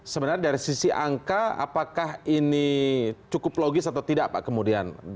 sebenarnya dari sisi angka apakah ini cukup logis atau tidak pak kemudian